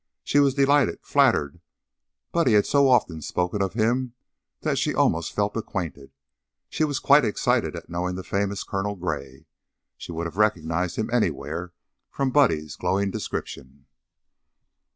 She was delighted, flattered Buddy had so often spoken of him that she almost felt acquainted She was quite excited at knowing the famous Colonel Gray She would have recognized him anywhere from Buddy's glowing description.